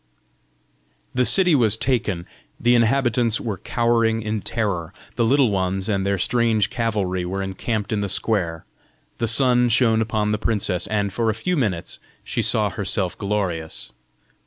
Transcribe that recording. The city was taken; the inhabitants were cowering in terror; the Little Ones and their strange cavalry were encamped in the square; the sun shone upon the princess, and for a few minutes she saw herself glorious.